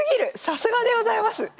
さすがでございます！